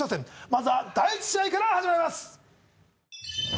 まずは第一試合から始まります